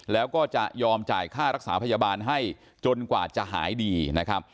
แล้วก็จะยอมจ่ายค่ารักษาพยาบาลให้จนกว่าจะหายดีนะครับ